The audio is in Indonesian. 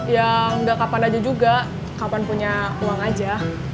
ya nggak kapan aja juga kapan punya uang aja